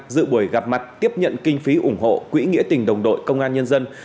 dự buổi gặp mặt tiếp nhận kinh phí ủng hộ quỹ nghĩa tình đồng đội công an nhân dân